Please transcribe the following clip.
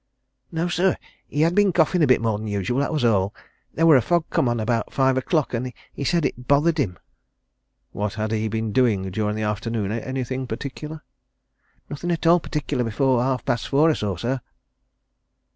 "No, sir. He had been coughing a bit more than usual that was all. There was a fog came on about five o'clock, and he said it bothered him." "What had he been doing during the afternoon? Anything particular?" "Nothing at all particular before half past four or so, sir."